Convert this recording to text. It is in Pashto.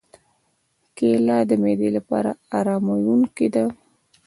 کېله د معدې لپاره آراموونکې ده.